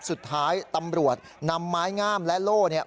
สุดท้ายตำรวจนำไม้งามและโล่เนี่ย